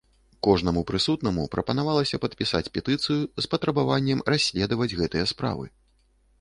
Кожнаму прысутнаму прапанавалася падпісаць петыцыю з патрабаваннем расследаваць гэтыя справы.